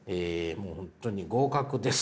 もう本当に合格です。